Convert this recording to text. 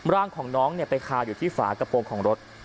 ร่างของน้องไปคาอยู่ที่ฝากระโปรงของรถ